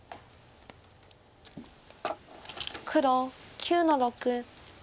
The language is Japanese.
黒９の六。